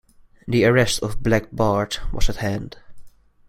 The arrest of Black Bart was at hand.